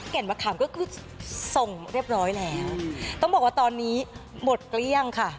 มะขามก็คือส่งเรียบร้อยแล้วต้องบอกว่าตอนนี้หมดเกลี้ยงค่ะ